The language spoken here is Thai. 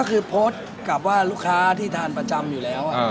ก็คือโพสต์กับว่าลูกค้าที่ทานประจำอยู่แล้ว